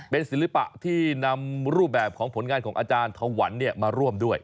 เป็นศิลปะที่นำรูปแบบของผลงานของอาจารย์ถวันมาร่วมด้วย